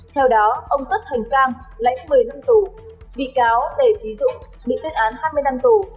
theo đó ông tất thành cang lãnh một mươi năm tù bị cáo tề trí dụng bị tuyên án hai mươi năm năm tù